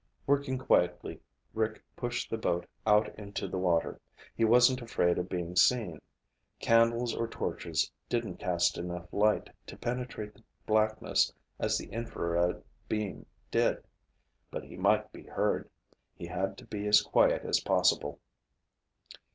Working quietly, Rick pushed the boat out into the water. He wasn't afraid of being seen. Candles or torches didn't cast enough light to penetrate the blackness as the infrared beam did. But he might be heard. He had to be as quiet as possible.